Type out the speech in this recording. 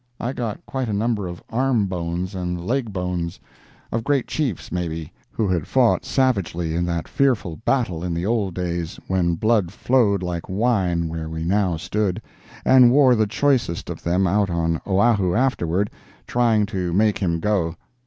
I got quite a number of arm bones and leg bones—of great chiefs, maybe, who had fought savagely in that fearful battle in the old days, when blood flowed like wine where we now stood—and wore the choicest of them out on Oahu afterward, trying to make him go.